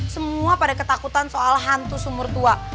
tapi mami takut soal hantu sumur tua